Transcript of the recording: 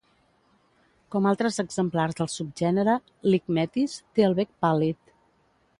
Com altres exemplars del subgènere "licmetis", té el bec pàl·lid.